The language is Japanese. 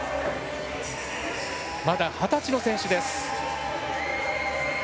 まだ二十歳の選手です。